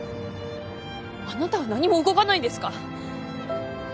あなたは何も動かないんですか？